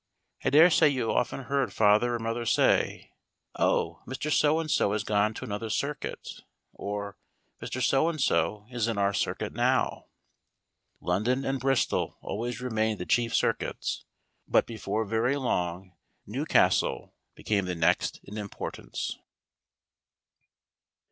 I dare say you have often heard father or mother say, "Oh, Mr. So and So has gone to another circuit;" or, "Mr. So and So is in our circuit now." London and Bristol always remained the chief circuits; but before very long Newcastle became the next in importance.